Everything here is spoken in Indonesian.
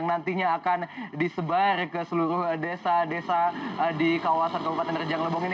nantinya akan disebar ke seluruh desa desa di kawasan kabupaten rejang lebong ini